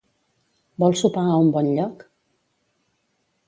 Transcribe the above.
Vol sopar a un bon lloc?